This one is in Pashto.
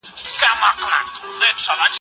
زه اوږده وخت درسونه اورم وم.